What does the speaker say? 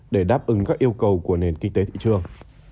để đáp ứng các yêu cầu của nền kinh tế thị trường